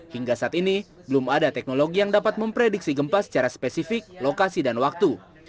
hingga saat ini belum ada teknologi yang dapat memprediksi gempa secara spesifik lokasi dan waktu